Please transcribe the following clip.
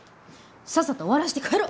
さっさと終わらして帰ろ！